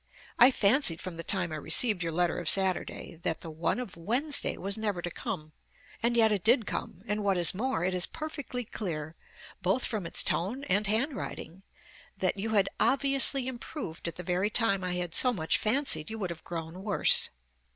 I fancied from the time I received your letter of Saturday that the one of "Wednesday was never to come," and yet it did come, and, what is more, it is perfectly clear, both from its tone and handwriting, that ... you had obviously improved at the very time I had so much fancied you would have grown worse.